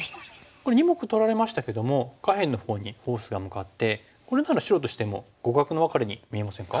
これ２目取られましたけども下辺のほうにフォースが向かってこれなら白としても互角のワカレに見えませんか？